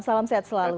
salam sehat selalu